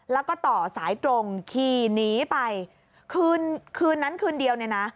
แล้วก็ต่อสายตรงขี่หนีไปคืนคืนนั้นคืนเดียวเนี่ยนะ